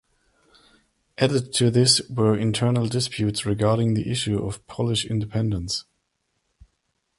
Added to this were internal disputes regarding the issue of Polish independence.